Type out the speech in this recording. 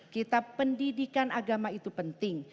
kita pendidikan agama itu penting